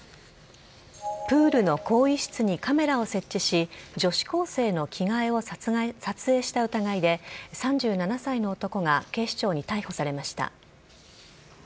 プールの更衣室にカメラを設置し、女子高生の着替えを撮影した疑いで、３７歳の男が警視庁に逮捕されました。